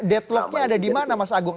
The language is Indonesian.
deadlock nya ada di mana mas agung